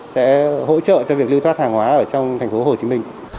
sẽ hỗ trợ cho việc lưu thoát hàng hóa ở trong tp hcm